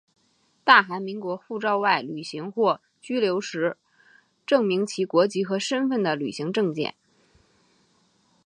大韩民国护照外旅行或居留时证明其国籍和身份的旅行证件。